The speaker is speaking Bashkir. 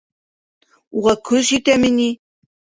Уға көс етәме ни!